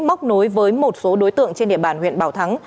móc nối với một số đối tượng trên địa bàn huyện bảo thắng